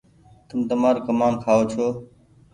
تم تمآر ڪمآن کآئو ڇو